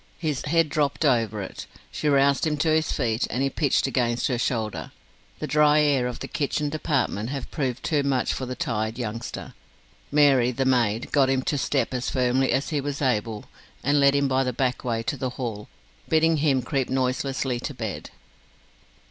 His head dropped over it. She roused him to his feet, and he pitched against her shoulder. The dry air of the kitchen department had proved too much for the tired youngster. Mary, the maid, got him to step as firmly as he was able, and led him by the back way to the hall, bidding him creep noiselessly to bed.